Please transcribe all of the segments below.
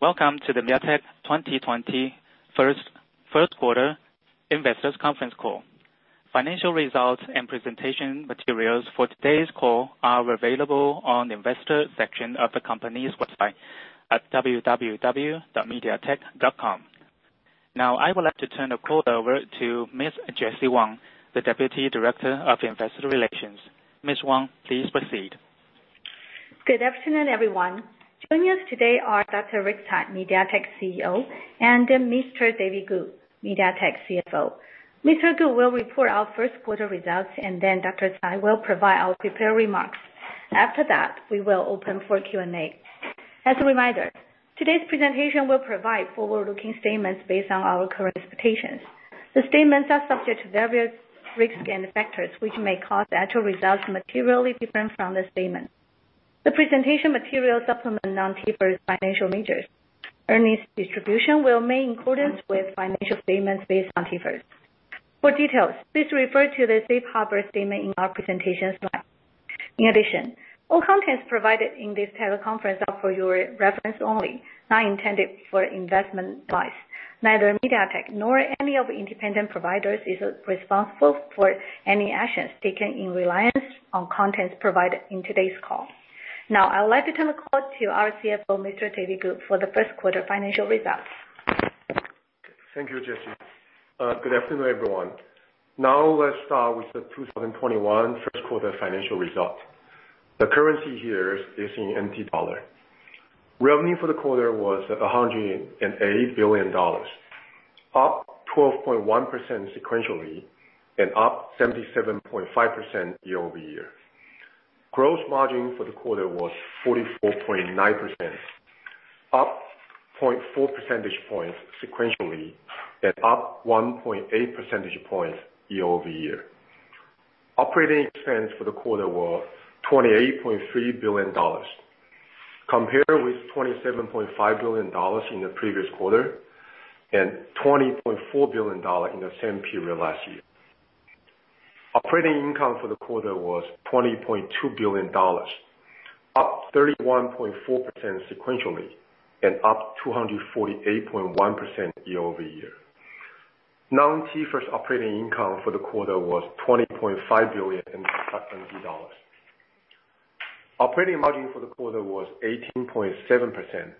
Welcome to the MediaTek 2021 first quarter investors conference call. Financial results and presentation materials for today's call are available on the investor section of the company's website at www.mediatek.com. Now, I would like to turn the call over to Ms. Jessie Wang, the Deputy Director of Investor Relations. Ms. Wang, please proceed. Good afternoon, everyone. Joining us today are Dr. Rick Tsai, MediaTek CEO, and Mr. David Ku, MediaTek CFO. Mr. Ku will report our first quarter results, and then Dr. Tsai will provide our prepared remarks. After that, we will open for Q&A. As a reminder, today's presentation will provide forward-looking statements based on our current expectations. The statements are subject to various risks and factors which may cause the actual results materially different from the statement. The presentation materials supplement non-T-IFRS financial measures. Earnings distribution will may include it with financial statements based on T-IFRS. For details, please refer to the safe harbor statement in our presentation slides. All contents provided in this teleconference are for your reference only, not intended for investment advice. Neither MediaTek nor any of independent providers is responsible for any actions taken in reliance on contents provided in today's call. I would like to turn the call to our CFO, Mr. David Ku, for the first quarter financial results. Thank you, Jessie. Good afternoon, everyone. Now let's start with the 2021 first quarter financial result. The currency here is in NT dollar. Revenue for the quarter was 108 billion dollars, up 12.1% sequentially and up 77.5% year-over-year. Gross margin for the quarter was 44.9%, up 0.4 percentage points sequentially and up 1.8 percentage points year-over-year. Operating expense for the quarter was 28.3 billion dollars, compared with 27.5 billion dollars in the previous quarter and 20.4 billion dollars in the same period last year. Operating income for the quarter was 20.2 billion dollars, up 31.4% sequentially and up 248.1% year-over-year. non-T-IFRS operating income for the quarter was 20.5 billion dollars. Operating margin for the quarter was 18.7%,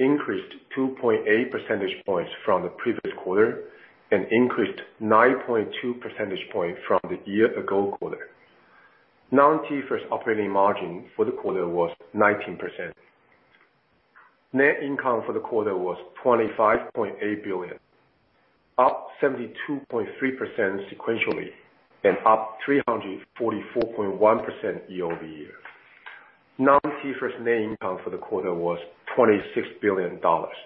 increased 2.8 percentage points from the previous quarter and increased 9.2 percentage point from the year ago quarter. non-T-IFRS operating margin for the quarter was 19%. Net income for the quarter was TWD 25.8 billion, up 72.3% sequentially and up 344.1% year-over-year. Non-GAAP net income for the quarter was 26 billion dollars.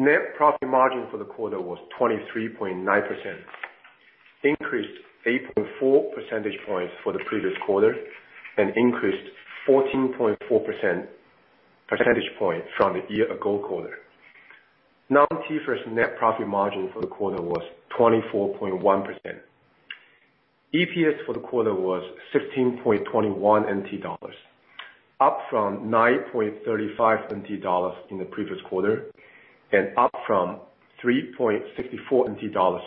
Net profit margin for the quarter was 23.9%, increased 8.4 percentage points for the previous quarter and increased 14.4 percentage point from the year-ago quarter. Non-T-IFRS net profit margin for the quarter was 24.1%. EPS for the quarter was NT$15.21, up from NT$9.35 in the previous quarter, and up from NT$3.64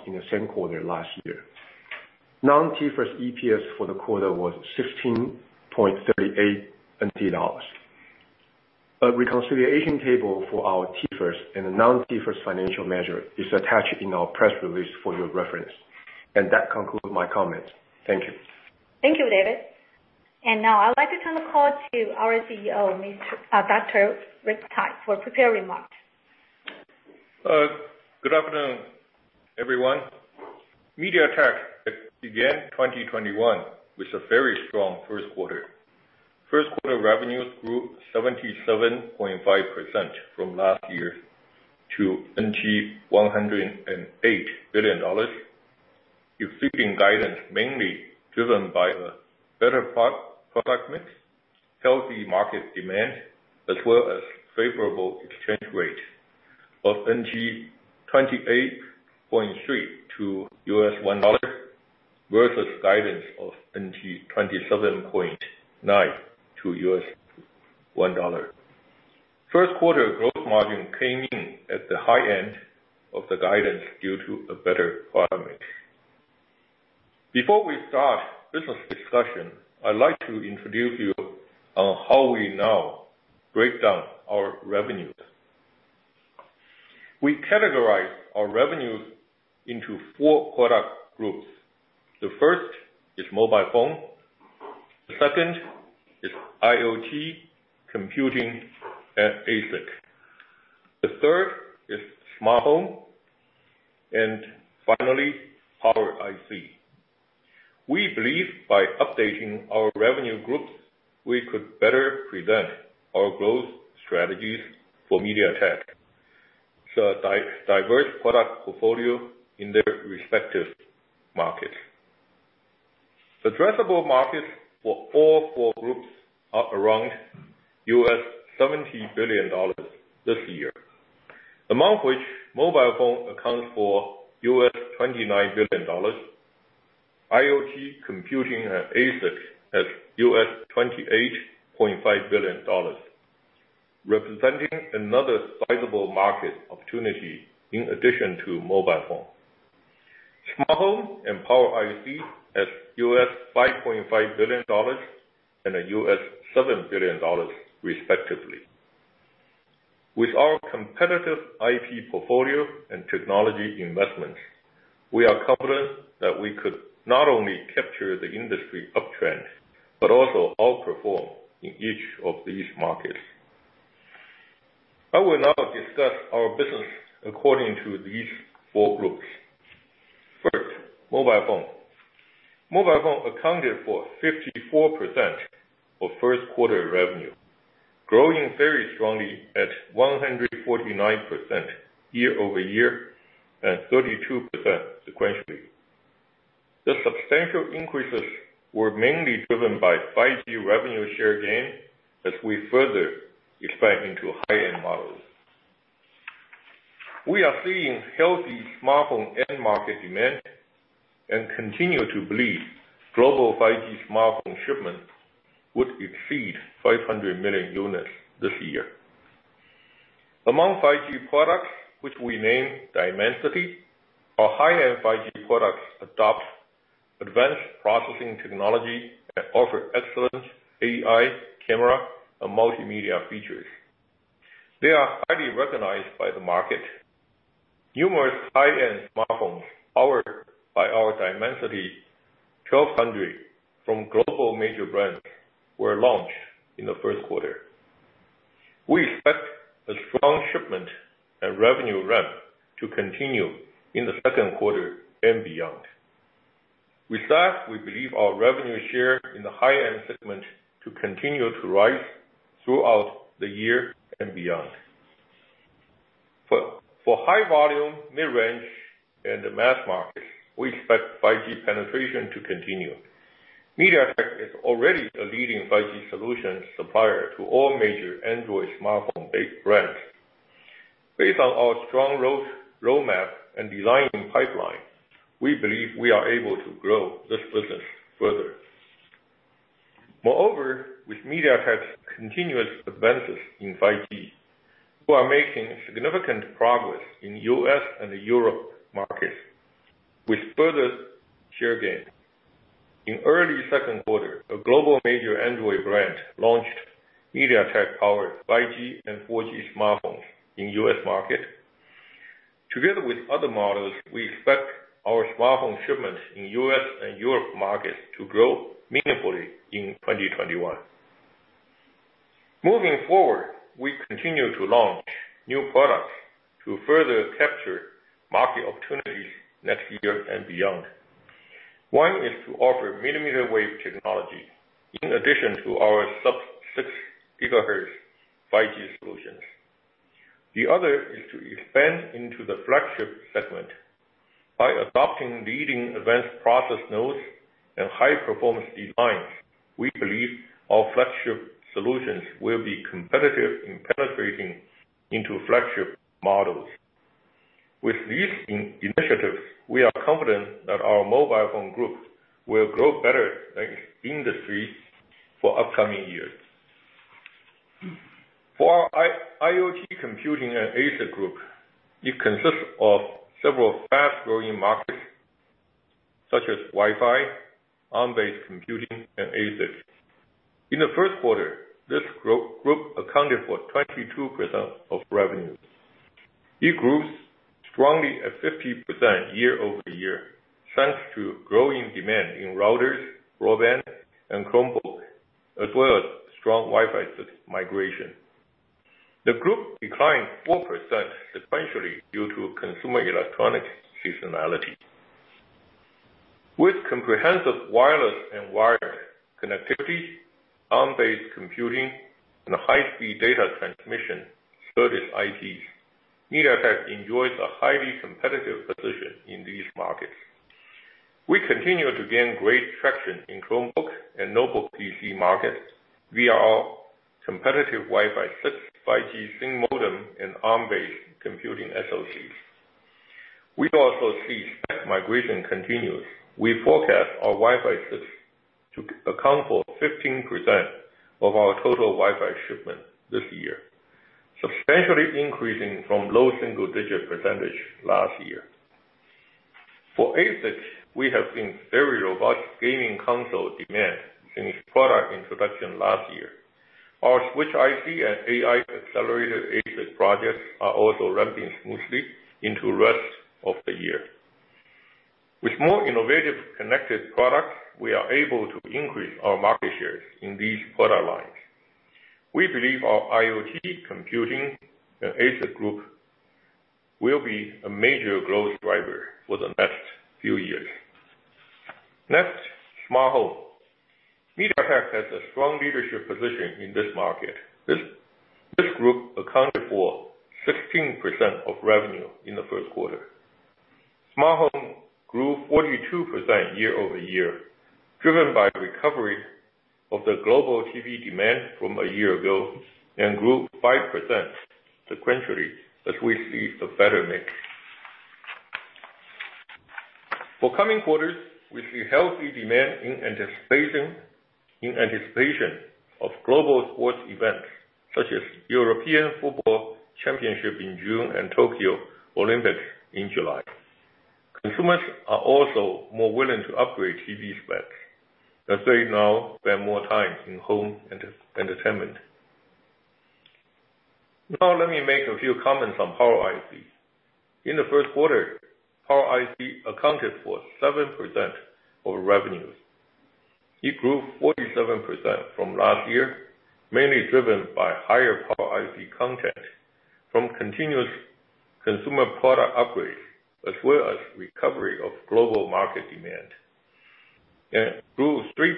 in the same quarter last year. Non-T-IFRS EPS for the quarter was NT$16.38. A reconciliation table for our T-IFRS and the non-T-IFRS financial measure is attached in our press release for your reference. That concludes my comments. Thank you. Thank you, David. Now I'd like to turn the call to our CEO, Dr. Rick Tsai, for prepared remarks. Good afternoon, everyone. MediaTek began 2021 with a very strong first quarter. First quarter revenues grew 77.5% from last year to TWD 108 billion. Exceeding guidance, mainly driven by a better product mix, healthy market demand, as well as favorable exchange rate of 28.3 to $1 versus guidance of 27.9 to $1. First quarter gross margin came in at the high end of the guidance due to a better product mix. Before we start business discussion, I'd like to introduce you on how we now break down our revenues. We categorize our revenues into four product groups. The first is mobile phone, the second is IoT, computing, and ASIC. The third is smart home, finally, Power IC. We believe by updating our revenue groups, we could better present our growth strategies for MediaTek. Diverse product portfolio in their respective markets. Addressable markets for all four groups are around $17 billion this year. Among which, mobile phone accounts for $29 billion. IoT computing and ASIC at $28.5 billion, representing another sizable market opportunity in addition to mobile phone. Smart home and Power IC at $5.5 billion and $7 billion respectively. With our competitive IP portfolio and technology investments, we are confident that we could not only capture the industry uptrend, but also outperform in each of these markets. I will now discuss our business according to these four groups. First, mobile phone. Mobile phone accounted for 54% of first quarter revenue, growing very strongly at 149% year-over-year and 32% sequentially. The substantial increases were mainly driven by 5G revenue share gain as we further expand into high-end models. We are seeing healthy smartphone end market demand and continue to believe global 5G smartphone shipments would exceed 500 million units this year. Among 5G products, which we name Dimensity, our high-end 5G products adopt advanced processing technology and offer excellent AI, camera, and multimedia features. They are highly recognized by the market. Numerous high-end smartphones powered by our Dimensity 1200 from global major brands were launched in the first quarter. We expect a strong shipment and revenue ramp to continue in the second quarter and beyond. With that, we believe our revenue share in the high-end segment to continue to rise throughout the year and beyond. For high volume, mid-range, and mass markets, we expect 5G penetration to continue. MediaTek is already a leading 5G solution supplier to all major Android smartphone-based brands. Based on our strong roadmap and design-in pipeline, we believe we are able to grow this business further. Moreover, with MediaTek's continuous advances in 5G, we are making significant progress in U.S. and Europe markets with further share gains. In early second quarter, a global major Android brand launched MediaTek-powered 5G and 4G smartphones in U.S. market. Together with other models, we expect our smartphone shipments in U.S. and Europe markets to grow meaningfully in 2021. Moving forward, we continue to launch new products to further capture market opportunities next year and beyond. One is to offer millimeter wave technology in addition to our sub-6 GHz 5G solutions. The other is to expand into the flagship segment. By adopting leading advanced process nodes and high performance designs, we believe our flagship solutions will be competitive in penetrating into flagship models. With these initiatives, we are confident that our mobile phone group will grow better than industry for upcoming years. For our IoT computing and ASIC group, it consists of several fast-growing markets such as Wi-Fi, Arm-based computing, and ASIC. In the first quarter, this group accounted for 22% of revenue. It grows strongly at 50% year-over-year, thanks to growing demand in routers, broadband, and Chromebook, as well as strong Wi-Fi 6 migration. The group declined 4% sequentially due to consumer electronic seasonality. With comprehensive wireless and wired connectivity, Arm-based computing, and high-speed data transmission service IPs, MediaTek enjoys a highly competitive position in these markets. We continue to gain great traction in Chromebook and notebook PC markets via our competitive Wi-Fi 6, 5G slim modem, and Arm-based computing SoCs. We also see spec migration continues. We forecast our Wi-Fi 6 to account for 15% of our total Wi-Fi shipment this year, substantially increasing from low single-digit percentage last year. For ASIC, we have seen very robust gaming console demand since product introduction last year. Our switch IC and AI accelerated ASIC projects are also ramping smoothly into rest of the year. With more innovative connected products, we are able to increase our market shares in these product lines. We believe our IoT computing and ASIC group will be a major growth driver for the next few years. Next, Smart Home. MediaTek has a strong leadership position in this market. This group accounted for 16% of revenue in the first quarter. Smart Home grew 42% year-over-year, driven by recovery of the global TV demand from a year ago and grew 5% sequentially as we see a better mix. For coming quarters, we see healthy demand in anticipation of global sports events such as European Football Championship in June and Tokyo Olympics in July. Consumers are also more willing to upgrade TV specs, as they now spend more time in home entertainment. Now let me make a few comments on Power IC. In the first quarter, Power IC accounted for 7% of revenues. It grew 47% from last year, mainly driven by higher Power IC content from continuous consumer product upgrades as well as recovery of global market demand. It grew 3%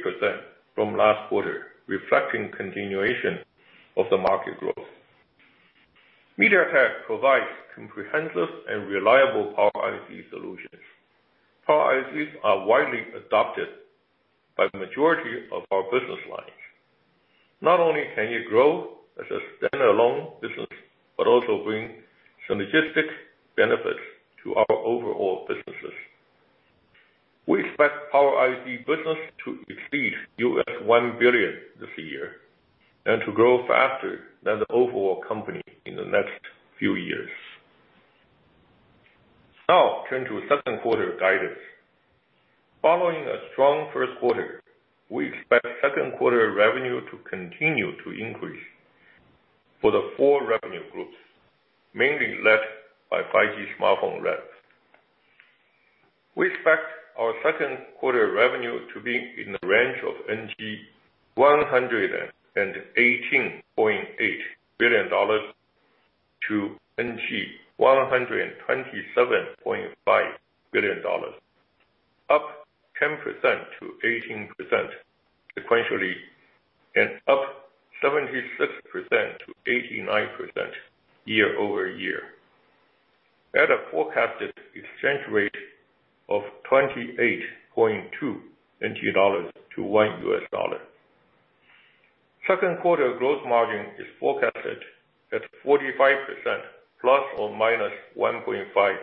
from last quarter, reflecting continuation of the market growth. MediaTek provides comprehensive and reliable Power IC solutions. Power ICs are widely adopted by the majority of our business lines. Not only can you grow as a standalone business, but also bring synergistic benefits to our overall businesses. We expect Power IC business to exceed $1 billion this year, and to grow faster than the overall company in the next few years. Now, turn to second quarter guidance. Following a strong first quarter, we expect second quarter revenue to continue to increase for the four revenue groups, mainly led by 5G smartphone ramp. We expect our second quarter revenue to be in the range of NTD 118.8 billion to NTD 127.5 billion, up 10%-18% sequentially and up 76%-89% year-over-year, at a forecasted exchange rate of 28.2 NTD to $1. Second quarter growth margin is forecasted at 45% ± 1.5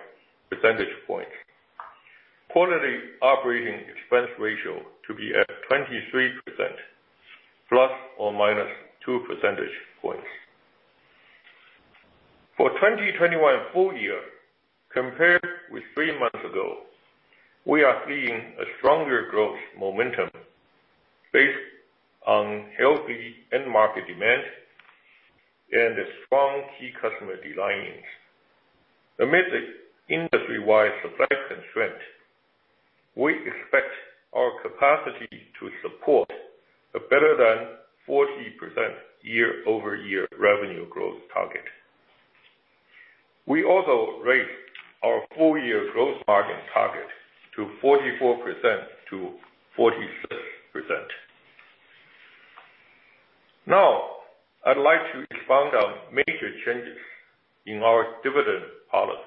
percentage points. Quarterly operating expense ratio to be at 23% ± 2 percentage points. For 2021 full year, compared with three months ago, we are seeing a stronger growth momentum based on healthy end market demand and the strong key customer designs. Amid the industry-wide supply constraint, we expect our capacity to support a better than 40% year-over-year revenue growth target. We also raised our full-year gross margin target to 44%-46%. Now, I'd like to expound on major changes in our dividend policy.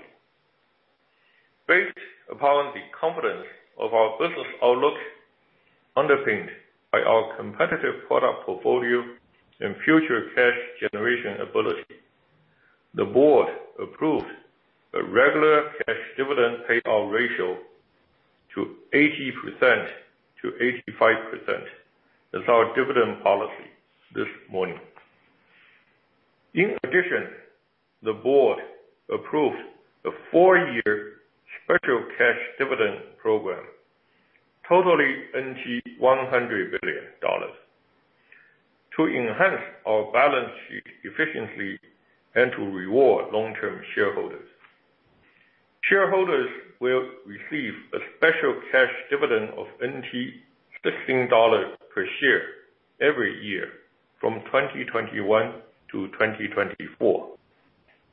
Based upon the confidence of our business outlook, underpinned by our competitive product portfolio and future cash generation ability, the board approved a regular cash dividend payout ratio to 80%-85%. That's our dividend policy this morning. In addition, the board approved a four-year special cash dividend program totaling NT$ 100 billion to enhance our balance sheet efficiently and to reward long-term shareholders. Shareholders will receive a special cash dividend of NT$ 16 per share every year from 2021-2024,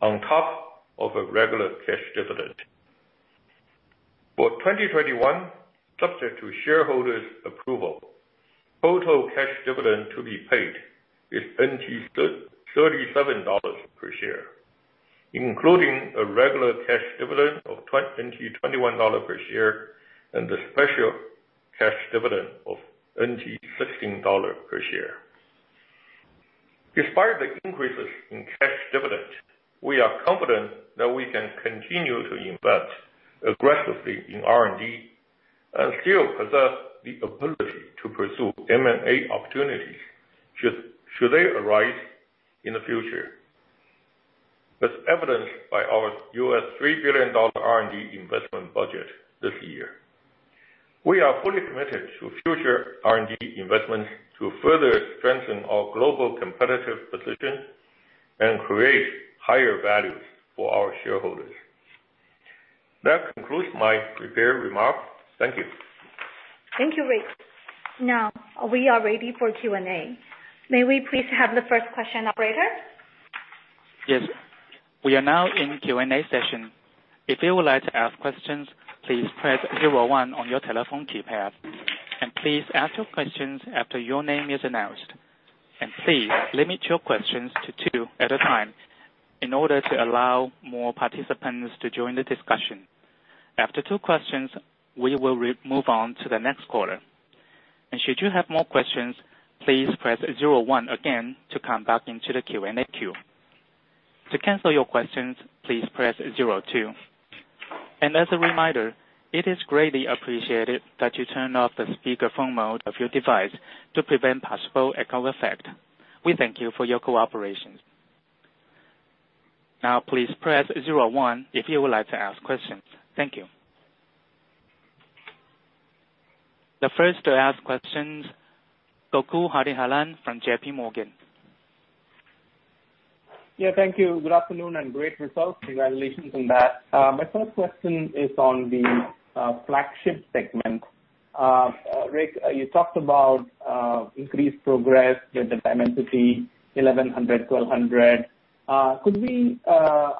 on top of a regular cash dividend. For 2021, subject to shareholders' approval, total cash dividend to be paid is NT$ 37 per share, including a regular cash dividend of NT$ 21 per share and a special cash dividend of NT$ 16 per share. Despite the increases in cash dividend, we are confident that we can continue to invest aggressively in R&D and still possess the ability to pursue M&A opportunities should they arise in the future, as evidenced by our $3 billion R&D investment budget this year. We are fully committed to future R&D investments to further strengthen our global competitive position and create higher values for our shareholders. That concludes my prepared remarks. Thank you. Thank you, Rick. Now, we are ready for Q&A. May we please have the first question, operator? Yes. We are now in Q&A session. If you would like to ask questions, please press zero one on your telephone keypad. Please ask your questions after your name is announced. Please limit your questions to two at a time in order to allow more participants to join the discussion. After two questions, we will move on to the next caller. Should you have more questions, please press zero one again to come back into the Q&A queue. To cancel your questions, please press zero two. As a reminder, it is greatly appreciated that you turn off the speakerphone mode of your device to prevent possible echo effect. We thank you for your cooperation. Now, please press zero one if you would like to ask questions. Thank you. The first to ask questions, Gokul Hariharan from JPMorgan. Yeah, thank you. Good afternoon. Great results. Congratulations on that. My first question is on the flagship segment. Rick, you talked about increased progress with the TAM opportunity, Dimensity 1100, Dimensity 1200. Could we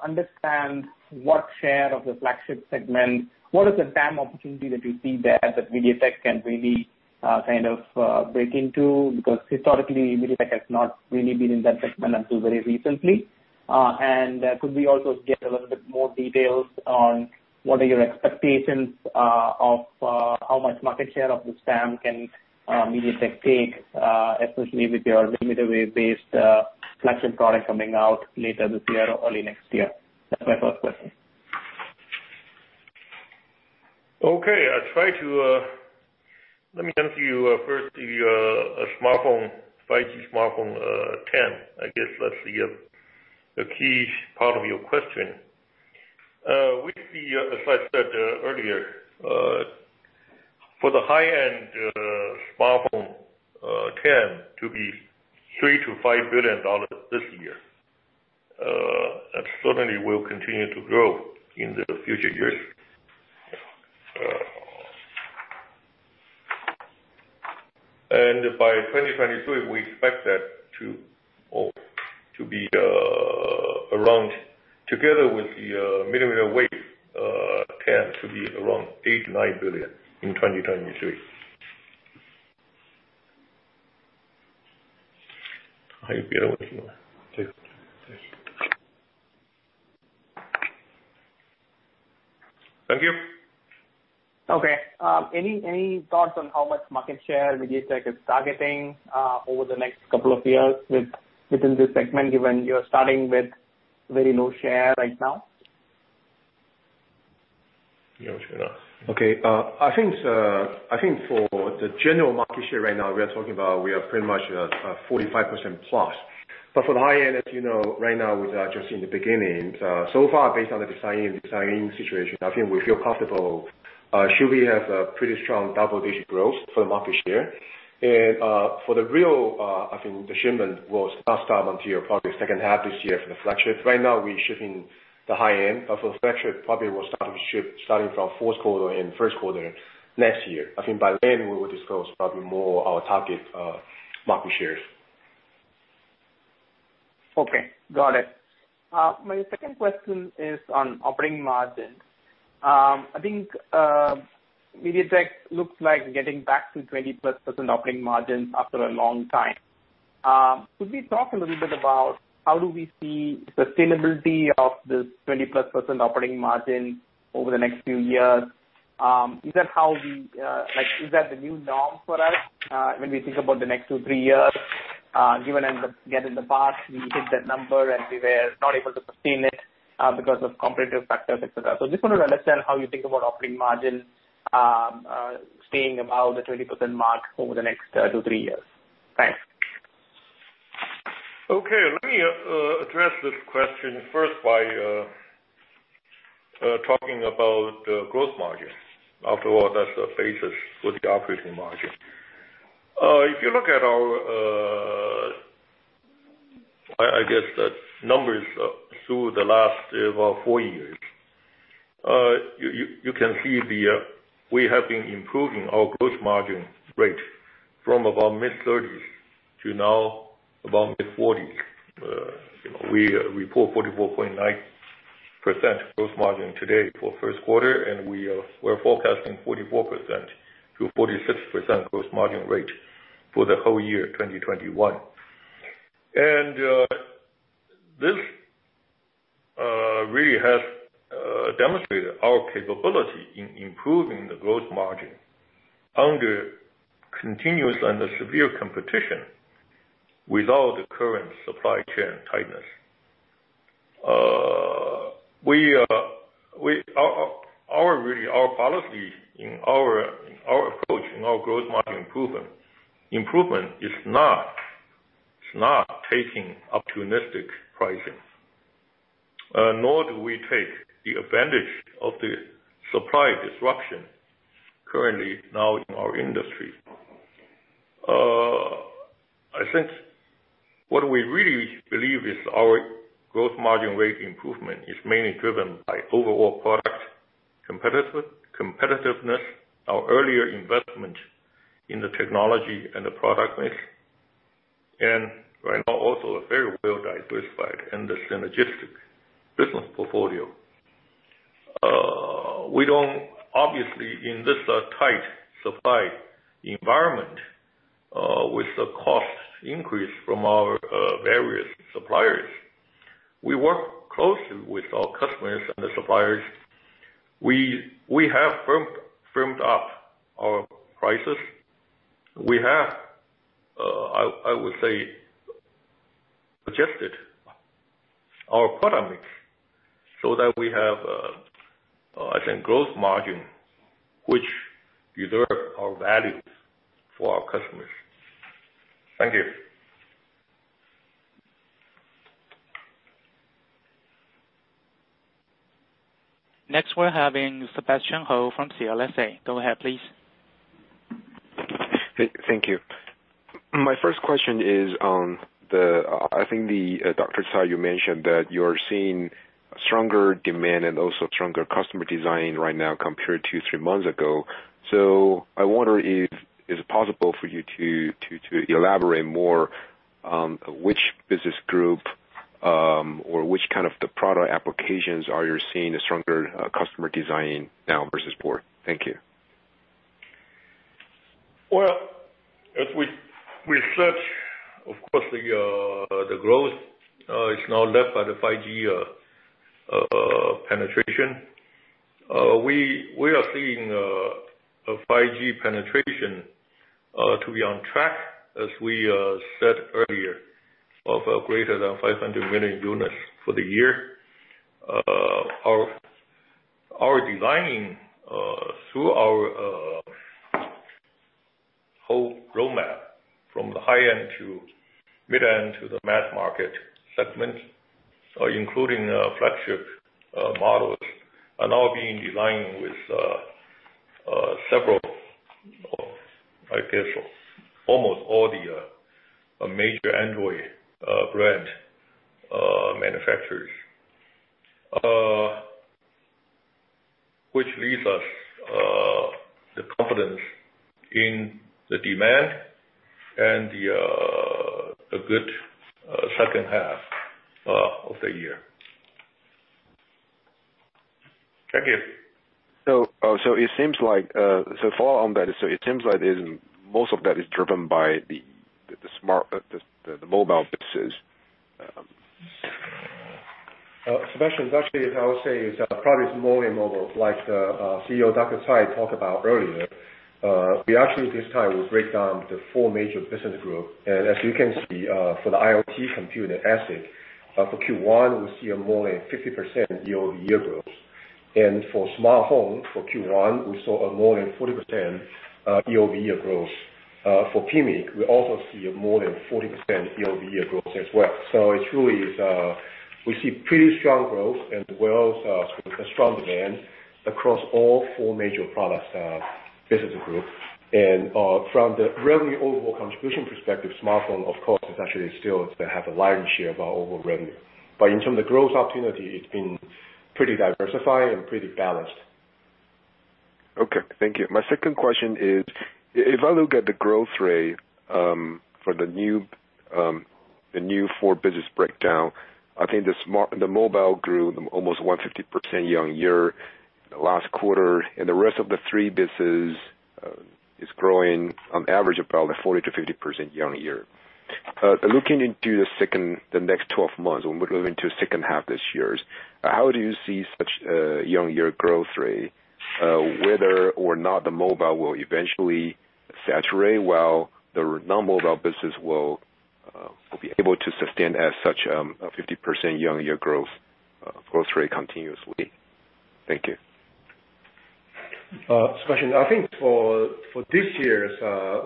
understand what share of the flagship segment, what is the TAM opportunity that you see there that MediaTek can really break into? Historically, MediaTek has not really been in that segment until very recently. Could we also get a little bit more details on what are your expectations of how much market share of this TAM can MediaTek take, especially with your millimeter wave-based flagship product coming out later this year or early next year? That's my first question. Okay. Let me answer you first the 5G smartphone TAM. I guess that's the key part of your question. As I said earlier, for the high-end smartphone TAM to be $3 billion-$5 billion this year. Absolutely will continue to grow in the future years. By 2023, we expect that to be, together with the millimeter wave TAM, to be around 8 billion-9 billion in 2023. Thank you. Okay. Any thoughts on how much market share MediaTek is targeting over the next couple of years within this segment, given you're starting with very low share right now? Okay. I think for the general market share right now, we are talking about, we are pretty much at 45%+. For the high-end, as you know, right now we are just in the beginning. Far, based on the design situation, I think we feel comfortable. Should we have a pretty strong double-digit growth for the market share. For the real, I think the shipment will start on to your probably second half this year for the flagship. Right now, we're shipping the high end, but for the flagship, probably will start to ship starting from fourth quarter and first quarter next year. I think by then we will disclose probably more our target market shares. Okay. Got it. My second question is on operating margin. I think MediaTek looks like getting back to 20%+ operating margin after a long time. Could we talk a little bit about how do we see sustainability of this 20%+ operating margin over the next few years? Is that the new norm for us when we think about the next two, three years? Given in the past, we hit that number and we were not able to sustain it because of competitive factors, et cetera. Just want to understand how you think about operating margin, staying above the 20% mark over the next two, three years. Thanks. Okay. Let me address this question first by talking about gross margins. After all, that's the basis for the operating margin. If you look at our, I guess the numbers through the last four years, you can see we have been improving our gross margin rate from about mid-30s to now about mid-40s. We report 44.9% gross margin today for first quarter, and we're forecasting 44%-46% gross margin rate for the whole year 2021. This really has demonstrated our capability in improving the gross margin under continuous and severe competition without the current supply chain tightness. Our policy and our approach in our gross margin improvement is not taking opportunistic pricing. Nor do we take the advantage of the supply disruption currently now in our industry. I think what we really believe is our gross margin rate improvement is mainly driven by overall product competitiveness, our earlier investment in the technology and the product mix. Right now, also a very well diversified and synergistic business portfolio. Obviously, in this tight supply environment, with the cost increase from our various suppliers, we work closely with our customers and the suppliers. We have firmed up our prices. We have, I would say, adjusted our product mix so that we have, I think, gross margin which deserve our values for our customers. Thank you. Next, we're having Sebastian Hou from CLSA. Go ahead, please. Thank you. My first question is on the I think, Dr. Tsai, you mentioned that you're seeing stronger demand and also stronger customer design right now compared to two, three months ago. I wonder if it's possible for you to elaborate more on which business group, or which kind of the product applications are you seeing a stronger customer design now versus before. Thank you. Well, as we research, of course, the growth is now led by the 5G penetration. We are seeing a 5G penetration to be on track as we said earlier, of greater than 500 million units for the year. Our designing through our whole roadmap from the high-end to mid-end to the mass market segment, including flagship models, are now being designed with several, I guess almost all the major Android brand manufacturers, which leaves us the confidence in the demand and a good second half of the year. Thank you. To follow on that, so it seems like most of that is driven by the mobile business. Sebastian, actually, I would say it's probably more in mobile like CEO Dr. Tsai talked about earlier. As you can see, for the IoT computing and ASIC, for Q1, we see a more than 50% year-over-year growth. For smartphone, for Q1, we saw a more than 40% year-over-year growth. For PMIC, we also see a more than 40% year-over-year growth as well. It truly is, we see pretty strong growth and well, strong demand across all four major products business group. From the revenue overall contribution perspective, smartphone, of course, is actually still have a lion's share of our overall revenue. In terms of growth opportunity, it's been pretty diversified and pretty balanced. Okay. Thank you. My second question is, if I look at the growth rate for the new four business breakdown, I think the mobile grew almost 150% year-over-year last quarter, the rest of the three business is growing on average about 40%-50% year-over-year. Looking into the next 12 months, when we're moving to second half this year, how do you see such a year-over-year growth rate, whether or not the mobile will eventually saturate while the non-mobile business will be able to sustain as such a 50% year-over-year growth rate continuously? Thank you. Sebastian, I think for this year,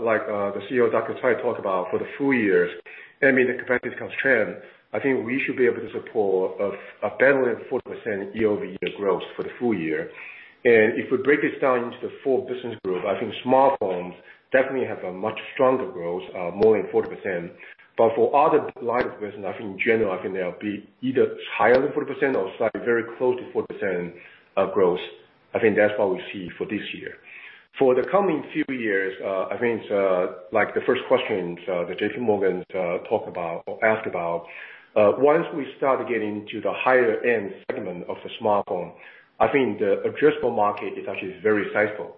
like the CEO Dr. Tsai talked about for the full years, and meeting the competitive trend, I think we should be able to support a better than 40% year-over-year growth for the full year. If we break this down into the four business group, I think smartphones definitely have a much stronger growth, more than 40%. For other lines of business, in general, I think they'll be either higher than 40% or slightly very close to 40% growth. I think that's what we see for this year. For the coming few years, I think, like the first question that JPMorgan asked about, once we start getting to the higher end segment of the smartphone, I think the addressable market is actually very sizable.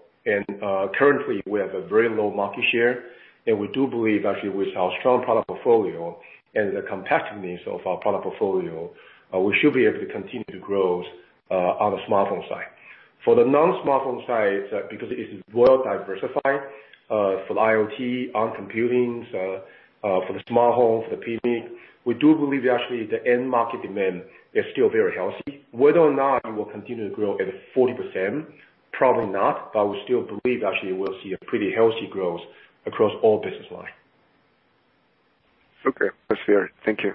Currently we have a very low market share, and we do believe actually with our strong product portfolio and the competitiveness of our product portfolio, we should be able to continue to grow on the smartphone side. For the non-smartphone side, because it is well diversified, for the IoT, on computing, for the smartphone, for the TV, we do believe actually the end market demand is still very healthy. Whether or not it will continue to grow at 40%, probably not. We still believe actually we'll see a pretty healthy growth across all business line. Okay, that's fair. Thank you.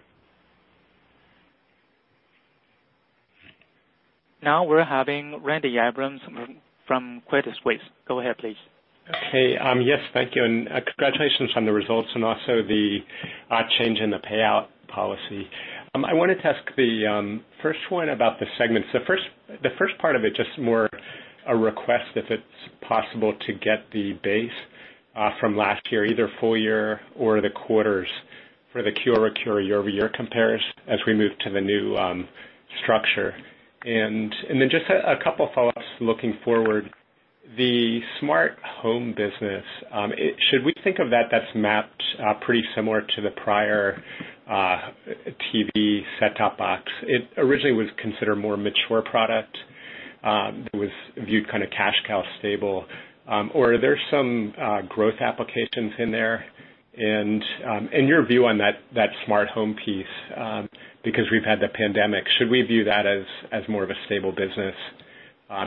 Now we're having Randy Abrams from Credit Suisse. Go ahead, please. Okay. Yes. Thank you. Congratulations on the results and also the change in the payout policy. I wanted to ask the first one about the segments. The first part of it, just more a request, if it's possible to get the base from last year, either full year or the quarters for the quarter-over-quarter or year-over-year compares as we move to the new structure. Then just a couple of follow-ups looking forward. The smart home business, should we think of that as mapped pretty similar to the prior TV set-top box? It originally was considered a more mature product. It was viewed kind of cash cow stable. Are there some growth applications in there? Your view on that smart home piece, because we've had the pandemic, should we view that as more of a stable business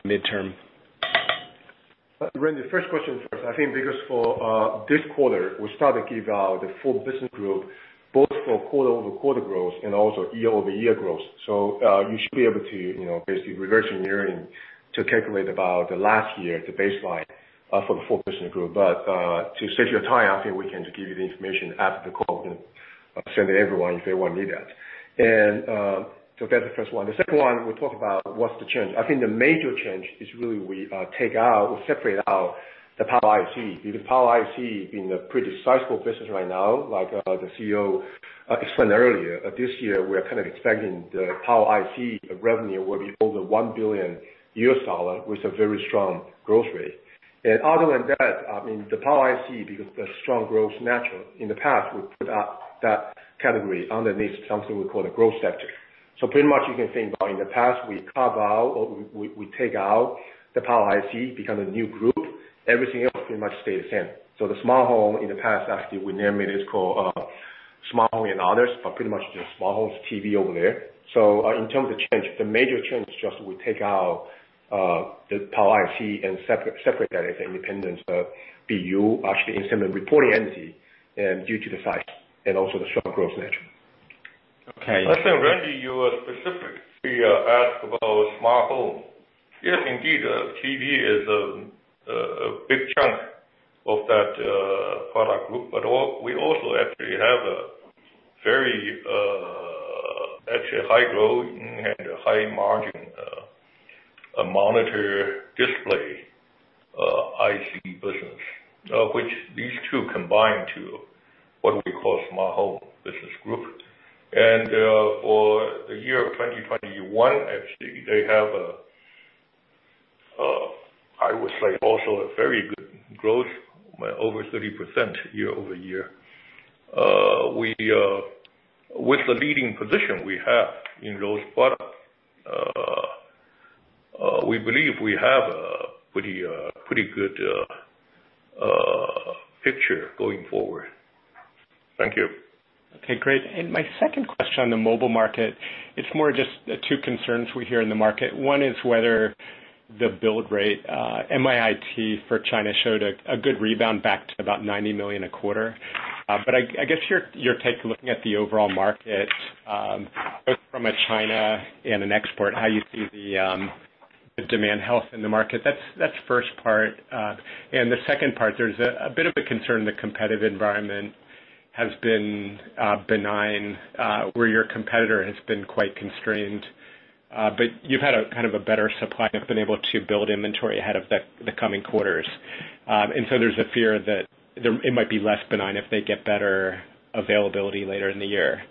midterm? Randy, first question first. I think for this quarter, we start to give out the full business group, both for quarter-over-quarter growth and also year-over-year growth. You should be able to basically reverse engineering to calculate about the last year, the baseline, for the full business group. To save you time, I think we can just give you the information after the call and send to everyone if they want to need that. That's the first one. The second one, we'll talk about what's the change. I think the major change is really we take out, we separate out the Power IC, because Power IC being a pretty sizable business right now. Like the CEO explained earlier, this year, we are kind of expecting the Power IC revenue will be over $1 billion with a very strong growth rate. Other than that, the Power IC, because the strong growth natural. In the past, we put that category underneath something we call the growth sector. Pretty much you can think about in the past we carve out or we take out the Power IC become the new group. Everything else pretty much stay the same. The smart home in the past, actually, we named it's called smart home and others, but pretty much just smart homes TV over there. In terms of change, the major change is just we take out the Power IC and separate that as an independent BU, actually in some reporting entity due to the size and also the strong growth nature. Okay. I think, Randy, you specifically asked about smart home. Yes, indeed, TV is a big chunk of that product group. We also actually have a very actually high growth and high margin monitor display IC business, which these two combine to what we call smart home business group. For the year of 2021, actually, they have, I would say also a very good growth, by over 30% year-over-year. With the leading position we have in those products, we believe we have a pretty good picture going forward. Thank you. Okay, great. My second question on the mobile market, it's more just two concerns we hear in the market. One is whether the build rate, MIIT for China showed a good rebound back to about 90 million a quarter. I guess your take looking at the overall market, both from a China and an export, how you see the demand health in the market. That's the first part. The second part, there's a bit of a concern the competitive environment has been benign, where your competitor has been quite constrained. You've had a better supply and been able to build inventory ahead of the coming quarters. There's a fear that it might be less benign if they get better availability later in the year.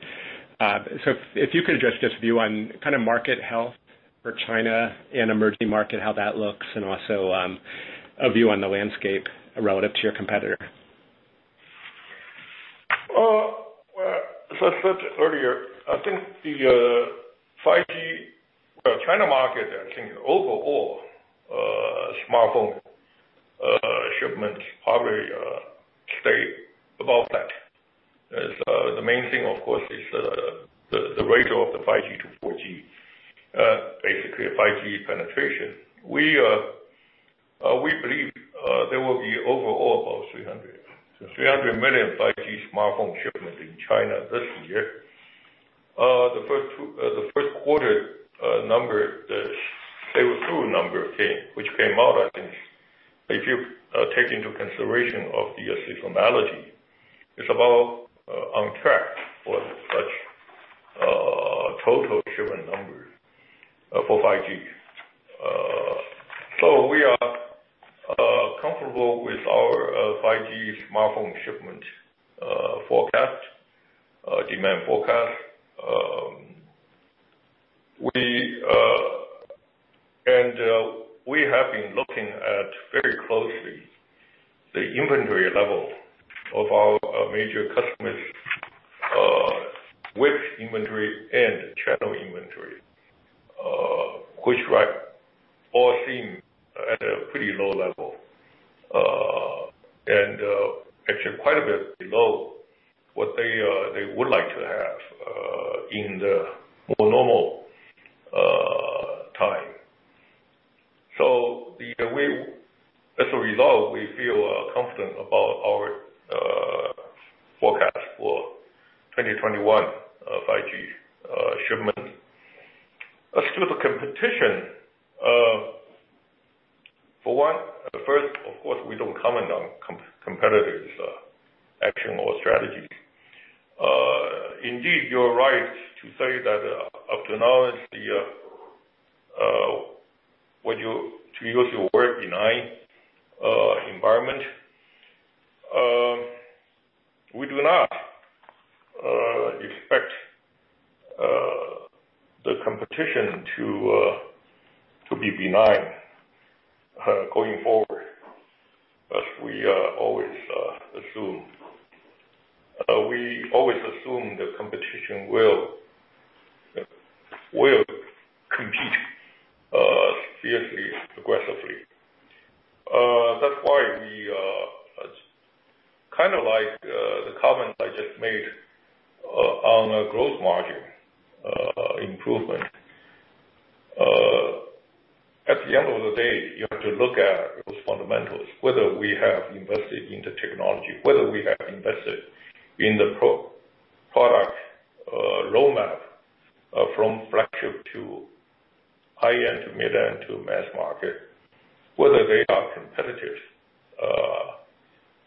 If you could address just view on kind of market health for China and emerging market, how that looks, and also a view on the landscape relative to your competitor. As I said earlier, I think the 5G China market, I think overall, smartphone shipments probably stay about flat. The main thing, of course, is the ratio of the 5G to 4G. Basically a 5G penetration. We believe there will be overall about 300 million 5G smartphone shipments in China this year. The first quarter number, the table two number, which came out, I think if you take into consideration of the seasonality, it is about on track for such total shipment number for 5G. We are comfortable with our 5G smartphone shipment forecast, demand forecast. We have been looking at very closely the inventory level of our major customers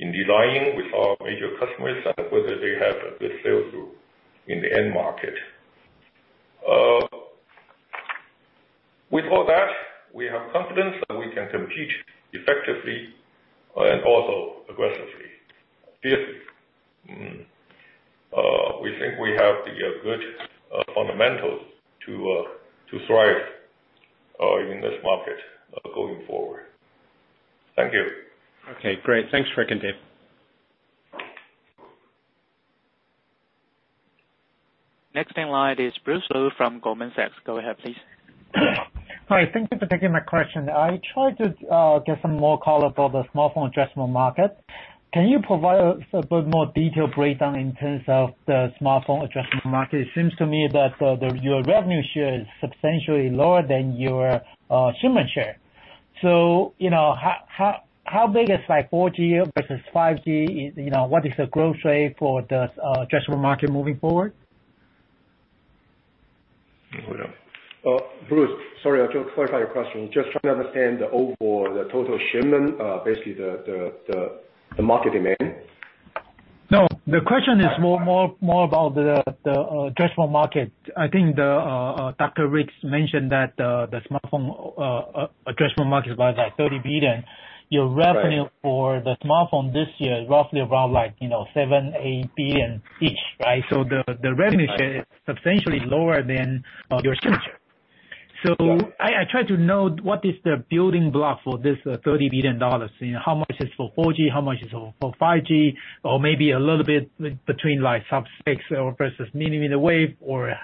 in aligning with our major customers, whether they have a good sales group in the end market. With all that, we have confidence that we can compete effectively and also aggressively. Fiercely. We think we have the good fundamentals to thrive in this market going forward. Thank you. Okay, great. Thanks, Rick and David. Next in line is Bruce Lu from Goldman Sachs. Go ahead, please. Hi. Thank you for taking my question. I tried to get some more color for the smartphone addressable market. Can you provide a bit more detailed breakdown in terms of the smartphone addressable market? It seems to me that your revenue share is substantially lower than your shipment share. How big is 4G versus 5G? What is the growth rate for the addressable market moving forward? Oh, yeah. Bruce, sorry. To clarify your question, just trying to understand the overall, the total shipment, basically the market demand. The question is more about the addressable market. I think Dr. Rick mentioned that the smartphone addressable market was 30 billion. Your revenue for the smartphone this year is roughly around 7 billion, 8 billion each, right? The revenue share is substantially lower than your shipment share. I try to know what is the building block for this 30 billion dollars. How much is for 4G, how much is for 5G, or maybe a little bit between sub-6 versus millimeter wave, or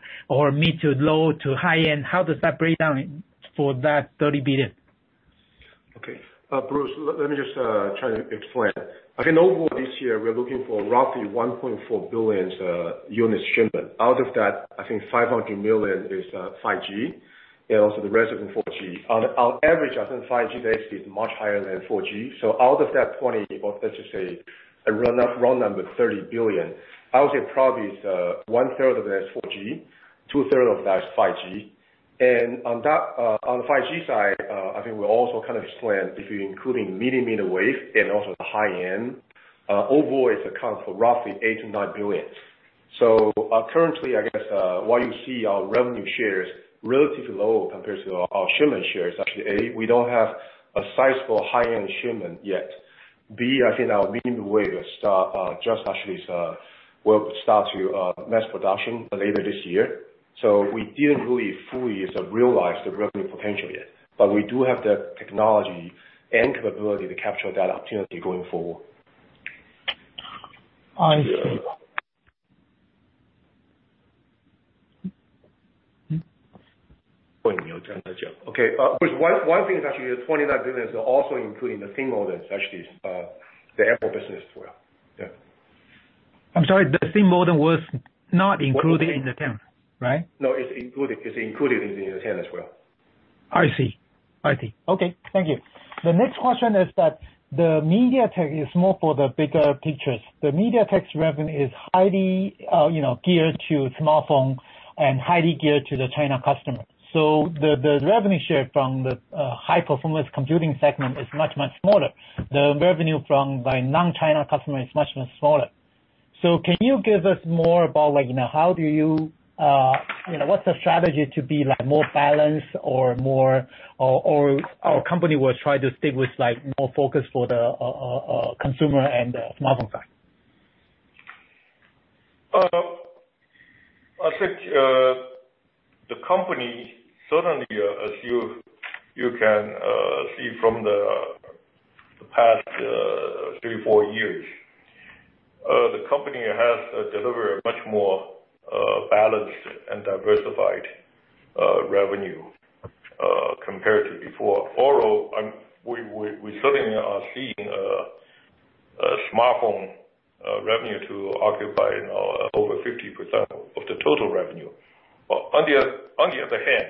mid to low to high-end. How does that break down for that 30 billion? Okay. Bruce, let me just try to explain. Overall this year, we're looking for roughly 1.4 billion units shipment. Out of that, I think 500 million is 5G, the rest is in 4G. On average, I think 5G base is much higher than 4G. Out of that 20, let's just say, a round number, 30 billion, I would say probably it's 1/3 of that is 4G, 2/3 of that is 5G. On the 5G side, I think we also explained, if you're including millimeter wave and also the high-end, overall it accounts for roughly 8 billion-9 billion. Currently, I guess, why you see our revenue share is relatively low compared to our shipment share is actually, A, we don't have a sizable high-end shipment yet. B, I think our millimeter wave will start to mass production later this year. We didn't really fully realize the revenue potential yet. We do have the technology and capability to capture that opportunity going forward. I see. Okay. Bruce, one thing is actually the 29 billion is also including the Thin Modem, such as the Apple business as well. Yeah. I'm sorry, the Thin Modem was not included in the TAM, right? No, it's included. It's included in the TAM as well. I see. Okay. Thank you. The next question is that MediaTek is more for the bigger pictures. The MediaTek's revenue is highly geared to smartphone and highly geared to the China customer. The revenue share from the high-performance computing segment is much, much smaller. The revenue from non-China customer is much, much smaller. Can you give us more about what's the strategy to be more balanced, or company will try to stick with more focus for the consumer and the smartphone side? I think the company, certainly, as you can see from the past three, four years, the company has delivered a much more balanced and diversified revenue compared to before. Although, we certainly are seeing smartphone revenue to occupy now over 50% of the total revenue. On the other hand,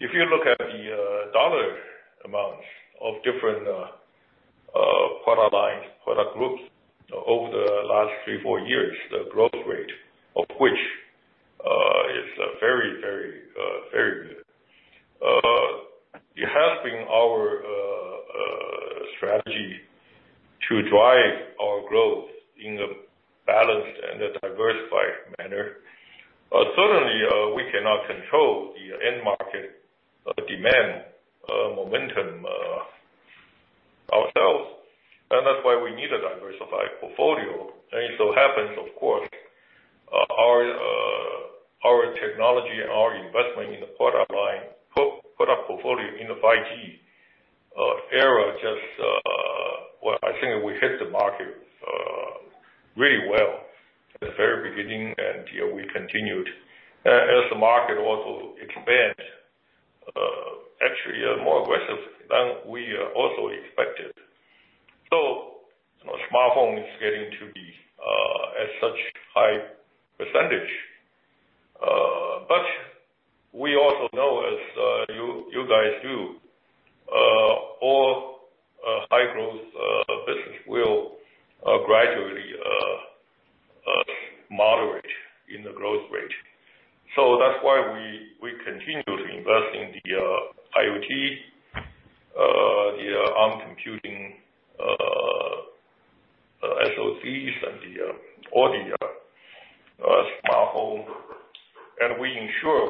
if you look at the dollar amount of different product lines, product groups over the last three, four years, the growth rate of which is very, very good. It has been our strategy to drive our growth in a balanced and a diversified manner. Certainly, we cannot control the end market demand momentum ourselves, that's why we need a diversified portfolio. It so happens, of course, our technology and our investment in the product line, product portfolio in the 5G era, I think we hit the market really well at the very beginning, and we continued. As the market also expand, actually more aggressive than we also expected. Smartphone is getting to be at such high percentage. We also know, as you guys do, all high growth business will gradually moderate in the growth rate. That's why we continue to invest in the IoT, the Arm computing, SOCs, and all the smartphone.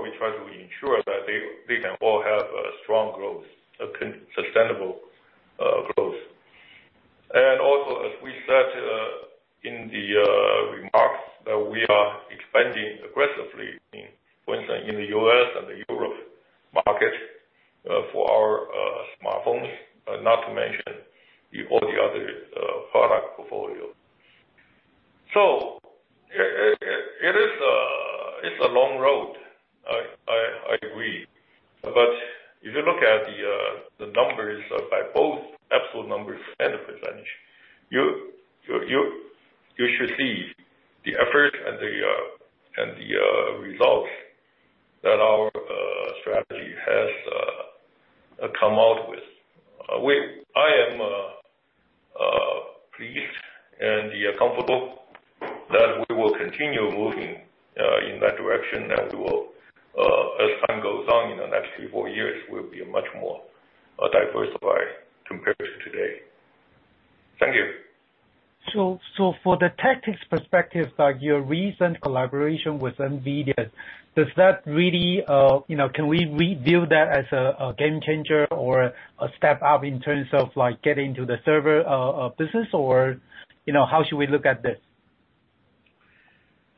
We try to ensure that they can all have a strong growth, sustainable growth. Also, as we said in the remarks, that we are expanding aggressively in, for instance, In the U.S. and the Europe market for our smartphones, not to mention all the other product portfolio. It's a long road. I agree. If you look at the numbers by both absolute numbers and the percentage, you should see the effort and the results that our strategy has come out with. I am pleased and comfortable that we will continue moving in that direction, that we will, as time goes on in the next three, four years, we'll be much more diversified compared to today. Thank you. For the tactics perspective, like your recent collaboration with NVIDIA, can we view that as a game changer or a step up in terms of getting to the server business? How should we look at this?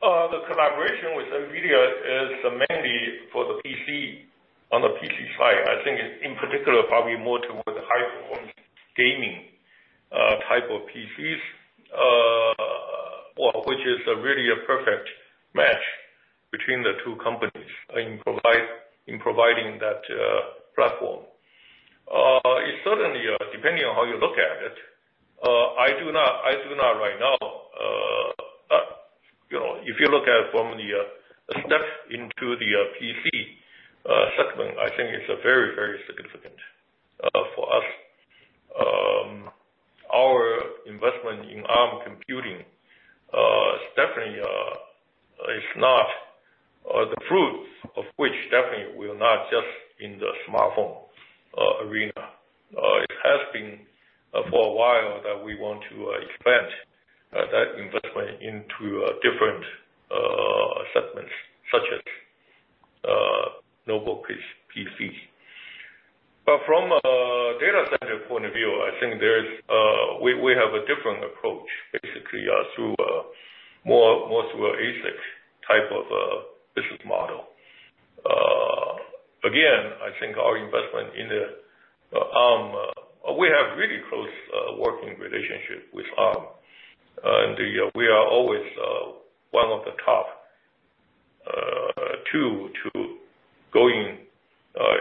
The collaboration with NVIDIA is mainly for the PC, on the PC side. I think it's, in particular, probably more towards the high performance gaming type of PCs, which is really a perfect match between the two companies in providing that platform. It certainly, depending on how you look at it. I do not right now. If you look at it from the step into the PC segment, I think it's very, very significant for us. Our investment in Arm computing, the fruits of which definitely will not just in the smartphone arena. It has been for a while that we want to expand that investment into different segments such as notebook PCs. From a data center point of view, I think we have a different approach, basically, more through an ASIC type of business model. Again, I think our investment in Arm, we have really close working relationship with Arm, and we are always one of the top two going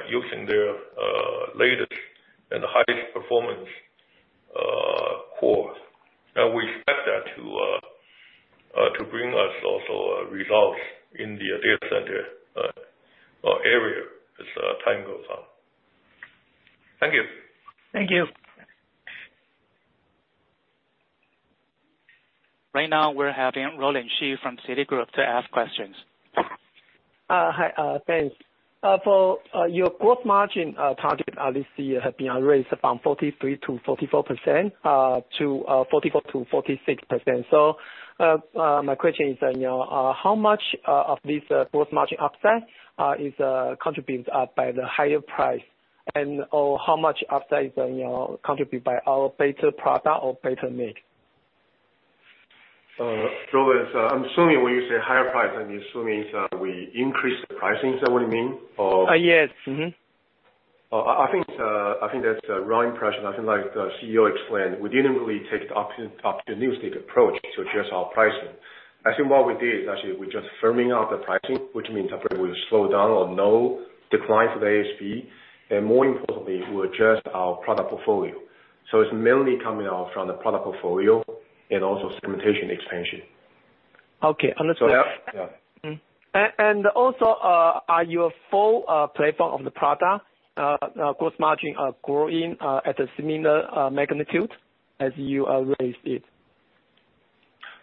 using their latest and highest performance core. We expect that to bring us also results in the data center area as time goes on. Thank you. Thank you. Right now, we're having Roland Shu from Citigroup to ask questions. Hi. Thanks. For your gross margin target this year have been raised from 43%-44% to 44%-46%. My question is, how much of this gross margin upside is contributed by the higher price and/or how much upside is contributed by our better product or better mix? Roland, I'm assuming when you say higher price, I'm assuming it's we increased the pricing. Is that what you mean? Or- Yes. Mm-hmm. I think that's a wrong impression. I think like the CEO explained, we didn't really take the opportunistic approach to adjust our pricing. I think what we did is actually we're just firming up the pricing, which means probably will slow down or no decline for the ASP. More importantly, we adjust our product portfolio. It's mainly coming out from the product portfolio and also segmentation expansion. Okay. Understood. Yeah. Also, are your full platform of the product gross margin growing at a similar magnitude as you raised it?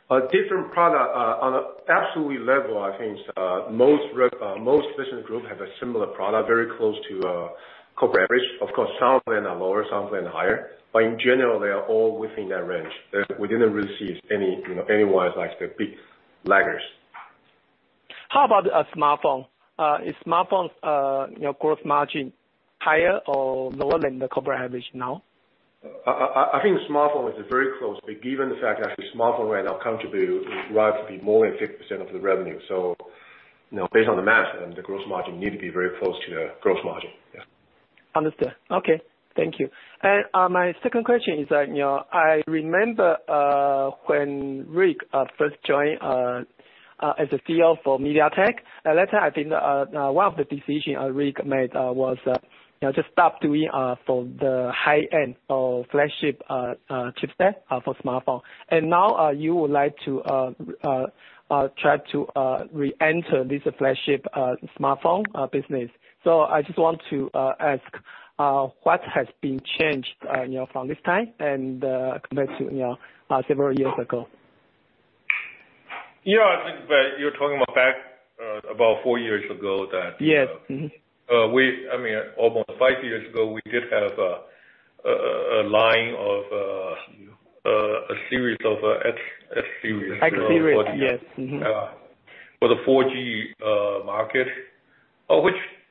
A different product on an absolute level, I think most business group have a similar product, very close to corporate average. Of course, some of them are lower, some of them higher. In general, they are all within that range. We didn't receive anyone like the big laggers. How about a smartphone? Is smartphone gross margin higher or lower than the corporate average now? I think smartphone is very close. Given the fact that smartphone right now contribute relatively more than 50% of the revenue. Based on the math, the gross margin need to be very close to the gross margin. Yeah. Understand. Okay. Thank you. My second question is, I remember when Rick first joined as a CEO for MediaTek. At that time, I think one of the decision Rick made was just stop doing for the high-end or flagship chipset for smartphone. Now you would like to try to reenter this flagship smartphone business. I just want to ask what has been changed from this time and compared to several years ago? I think that you're talking about back about four years ago. Yes. Mm-hmm. Almost five years ago, we did have a line of a series of X series. X series. Yes. Mm-hmm. For the 4G market.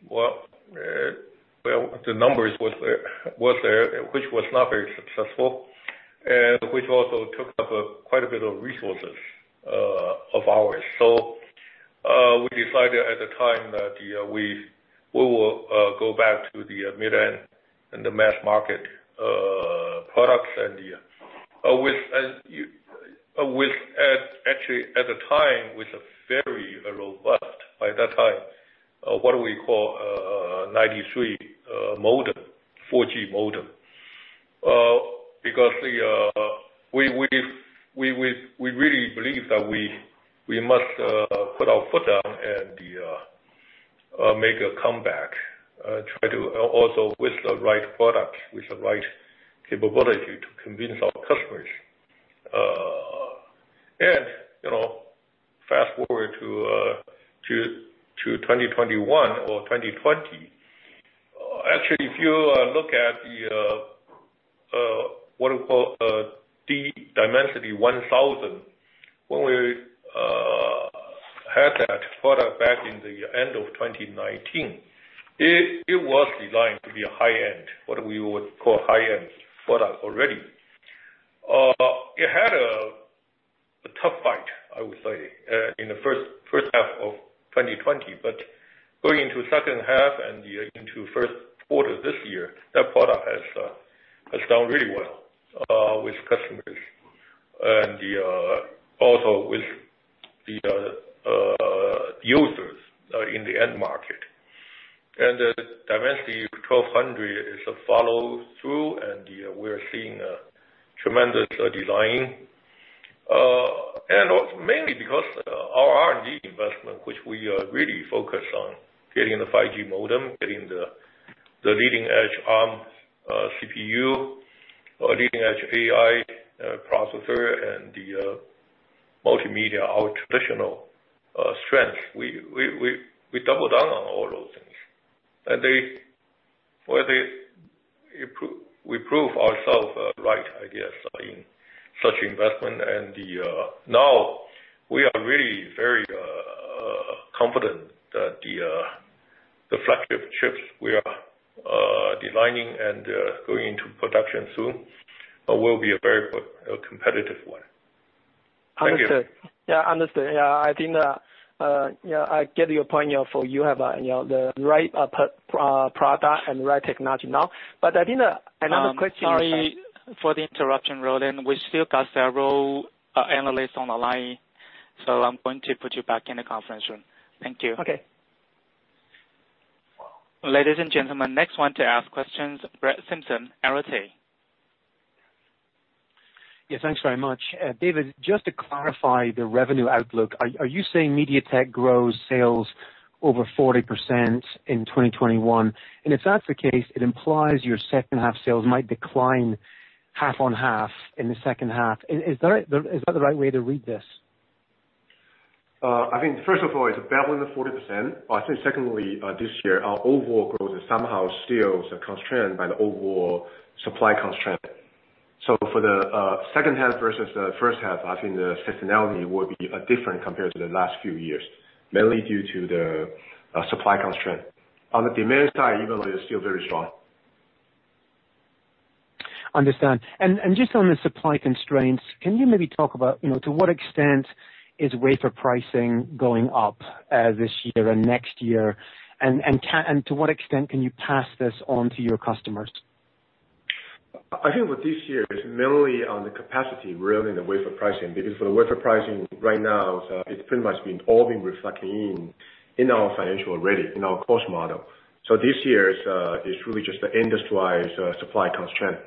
Well, the numbers was there, which was not very successful and which also took up quite a bit of resources of ours. We decided at the time that we will go back to the mid-end and the mass market products. Actually, at the time, with a very robust, by that time, what we call 93 modem, 4G modem. We really believe that we must put our foot down and make a comeback. Try to also with the right product, with the right capability to convince our customers. Fast-forward to 2021 or 2020. Actually, if you look at the, what I call Dimensity 1000. When we had that product back in the end of 2019, it was designed to be a high-end, what we would call high-end product already. It had a tough fight, I would say, in the first half of 2020. Going into second half and into first quarter this year, that product has done really well with customers and also with the users in the end market. The Dimensity 1200 is a follow-through, and we're seeing tremendous design. Mainly because our R&D investment, which we really focus on getting the 5G modem, getting the leading-edge Arm CPU, leading-edge AI processor, and the multimedia, our traditional strength. We double down on all those things. We prove ourself right, I guess, in such investment. Now we are really very confident that the flagship chips we are designing and going into production soon will be a very competitive one. Thank you. Understood. Yeah, I understand. Yeah. I get your point for you have the right product and right technology now. I think another question is. Sorry for the interruption, Roland. We still got several analysts on the line, so I'm going to put you back in the conference room. Thank you. Okay. Ladies and gentlemen, next one to ask questions, Brett Simpson, Arete. Yes, thanks very much. David, just to clarify the revenue outlook, are you saying MediaTek grows sales over 40% in 2021? If that's the case, it implies your second half sales might decline half-on-half in the second half. Is that the right way to read this? I think first of all, it's better than the 40%. I think secondly, this year, our overall growth is somehow still constrained by the overall supply constraint. For the second half versus the first half, I think the seasonality will be different compared to the last few years, mainly due to the supply constraint, on the demand side, even though it's still very strong. Understand. Just on the supply constraints, can you maybe talk about to what extent is wafer pricing going up this year and next year? To what extent can you pass this on to your customers? I think with this year, it's mainly on the capacity rather than the wafer pricing. For the wafer pricing right now, it's pretty much been all been reflecting in our financial already, in our cost model. This year is really just the industry-wide supply constraint,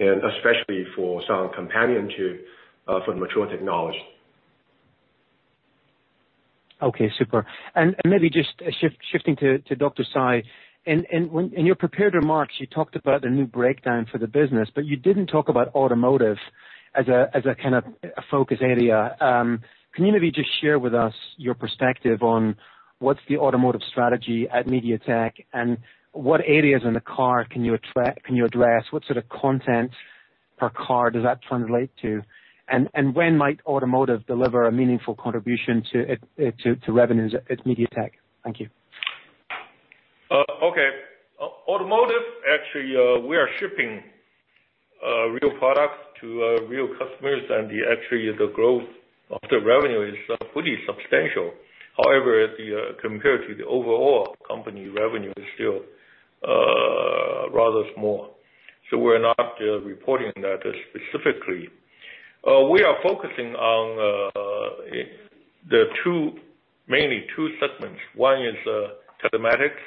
and especially for some Kompanio for the mature technology. Okay, super. Maybe just shifting to Dr. Tsai. In your prepared remarks, you talked about the new breakdown for the business, but you didn't talk about automotive as a focus area. Can you maybe just share with us your perspective on what's the automotive strategy at MediaTek, and what areas in the car can you address? What sort of content per car does that translate to? When might automotive deliver a meaningful contribution to revenues at MediaTek? Thank you. Okay. Automotive, actually, we are shipping real products to real customers, actually, the growth of the revenue is pretty substantial. However, compared to the overall company revenue, it is still rather small. We're not reporting that specifically. We are focusing on mainly two segments. One is telematics,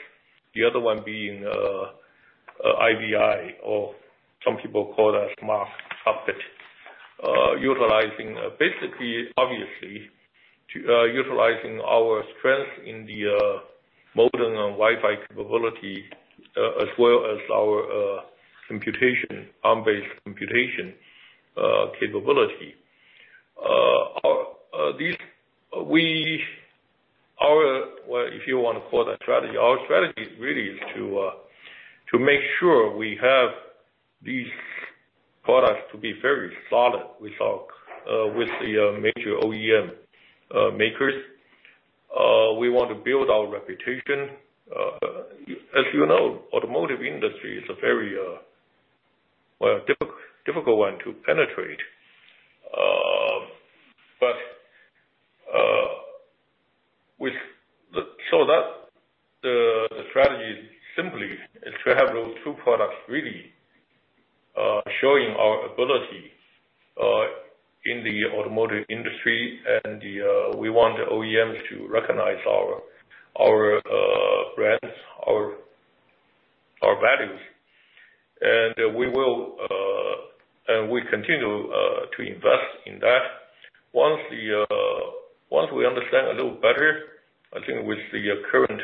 the other one being IVI, or some people call that smart cockpit. Basically, obviously, utilizing our strength in the modem and Wi-Fi capability, as well as our Arm-based computation capability. If you want to call that strategy, our strategy really is to make sure we have these products to be very solid with the major OEM makers. We want to build our reputation. As you know, automotive industry is a very difficult one to penetrate. The strategy simply is to have those two products really showing our ability in the automotive industry, and we want the OEMs to recognize our brands, our values. We continue to invest in that. Once we understand a little better, I think with the current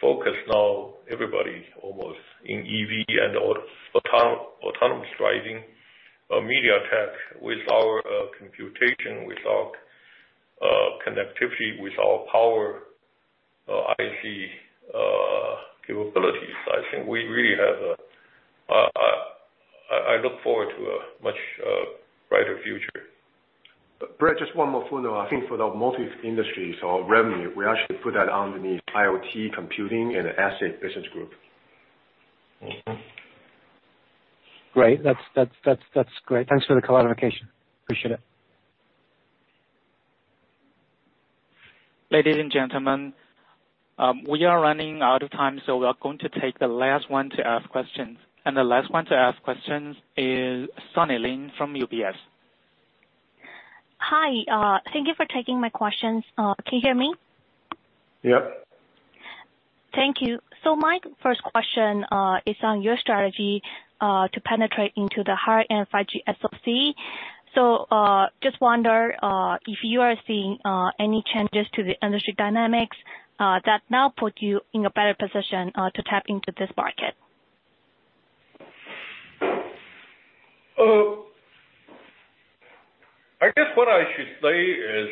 focus now, everybody's almost in EV and autonomous driving. MediaTek, with our computation, with our connectivity, with our Power IC capabilities, I look forward to a much brighter future. Brett, just one more follow-up. I think for the automotive industry, revenue, we actually put that underneath IoT computing and the ASIC business group. Great. That's great. Thanks for the clarification. Appreciate it. Ladies and gentlemen, we are running out of time, we are going to take the last one to ask questions. The last one to ask questions is Sunny Lin from UBS. Hi. Thank you for taking my questions. Can you hear me? Yeah. Thank you. My first question is on your strategy to penetrate into the high-end 5G SoC. Just wonder if you are seeing any changes to the industry dynamics that now put you in a better position to tap into this market. I guess what I should say is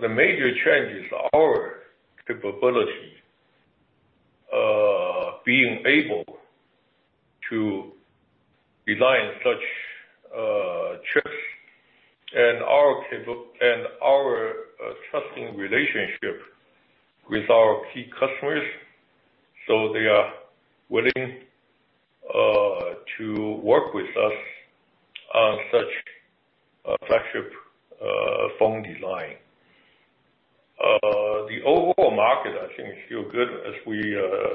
the major change is our capability. Being able to design such chips and our trusting relationship with our key customers, so they are willing to work with us on such a flagship phone design. The overall market, I think, is still good, as we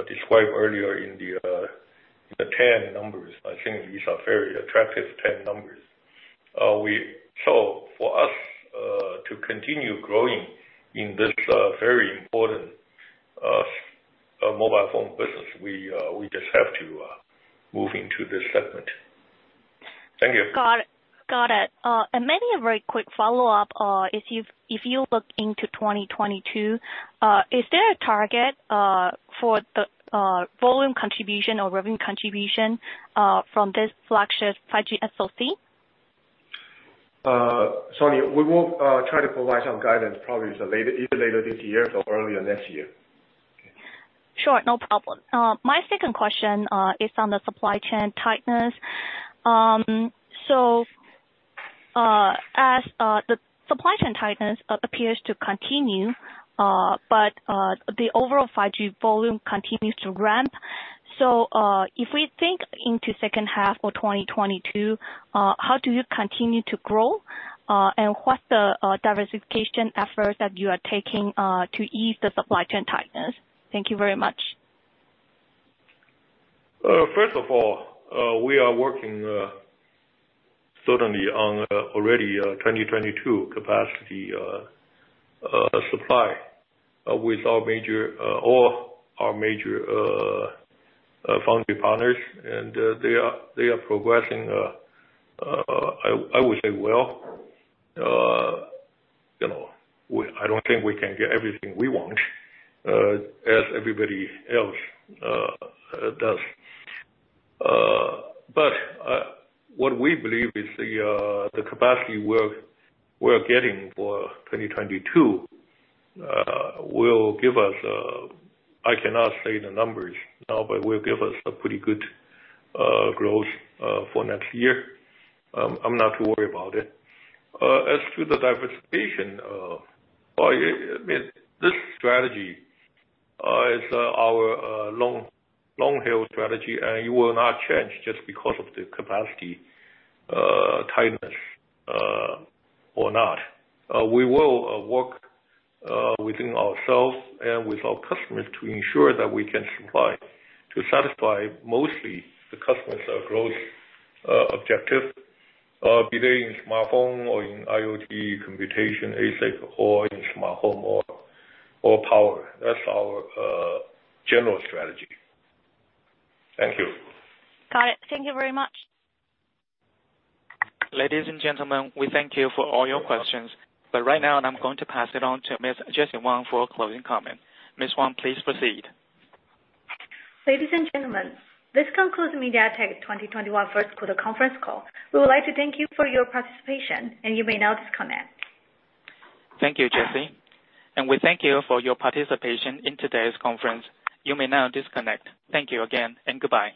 described earlier in the 10 numbers. I think these are very attractive 10 numbers. For us to continue growing in this very important mobile phone business, we just have to move into this segment. Thank you. Got it. Maybe a very quick follow-up. If you look into 2022, is there a target for the volume contribution or revenue contribution from this flagship 5G SoC? Sunny Lin, we will try to provide some guidance, probably either later this year or earlier next year. Sure, no problem. My second question is on the supply chain tightness. As the supply chain tightness appears to continue, but the overall 5G volume continues to ramp. If we think into second half of 2022, how do you continue to grow? What's the diversification efforts that you are taking to ease the supply chain tightness? Thank you very much. First of all, we are working certainly on already 2022 capacity supply with all our major foundry partners, and they are progressing, I would say, well. I don't think we can get everything we want, as everybody else does. What we believe is the capacity we're getting for 2022 will give us, I cannot say the numbers now, but will give us a pretty good growth for next year. I'm not too worried about it. To the diversification, this strategy is our long haul strategy, and it will not change just because of the capacity tightness or not. We will work within ourselves and with our customers to ensure that we can supply to satisfy mostly the customers' growth objective, be there in smartphone or in IoT computation ASIC or in smart home or power. That's our general strategy. Thank you. Got it. Thank you very much. Ladies and gentlemen, we thank you for all your questions. Right now, I'm going to pass it on to Ms. Jessie Wang for a closing comment. Ms. Wang, please proceed. Ladies and gentlemen, this concludes MediaTek 2021 first quarter conference call. We would like to thank you for your participation, and you may now disconnect. Thank you, Jesse. We thank you for your participation in today's conference. You may now disconnect. Thank you again, and goodbye.